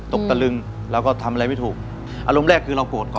ตะลึงเราก็ทำอะไรไม่ถูกอารมณ์แรกคือเราโกรธก่อน